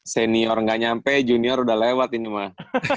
senior nggak nyampe junior udah lewat ini man